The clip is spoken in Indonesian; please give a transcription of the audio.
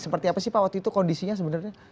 seperti apa sih pak waktu itu kondisinya sebenarnya